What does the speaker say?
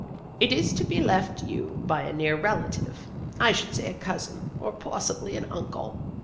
It is to be left you by a near relative. I should say a cousin, or possibly an uncle."